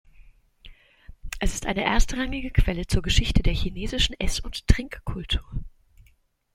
Es ist eine erstrangige Quelle zur Geschichte der chinesischen Ess- und Trinkkultur.